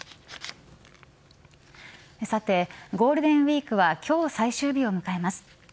さて、ゴールデンウイークは今日、最終日を迎えます。